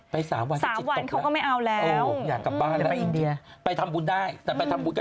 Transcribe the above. ไป๓วันจะหิตตกแล้วโอ้โฮ